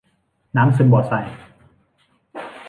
น้ำซึมบ่อทราย